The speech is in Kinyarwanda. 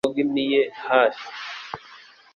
Yavuze azunguza noggin ye hafi